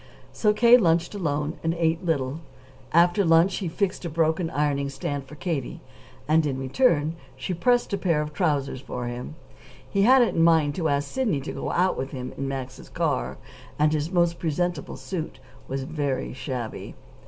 So K. lunched alone, and ate little. After luncheon he fixed a broken ironing stand for Katie, and in return she pressed a pair of trousers for him. He had it in mind to ask Sidney to go out with him in Max's car, and his most presentable suit was very shabby.